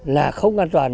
là không an toàn